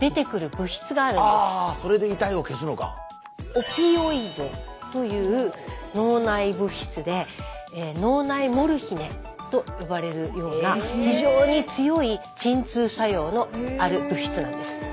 「オピオイド」という脳内物質で脳内モルヒネと呼ばれるような非常に強い鎮痛作用のある物質なんです。